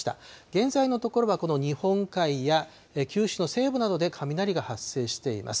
現在のところは、この日本海や九州の西部などで雷が発生しています。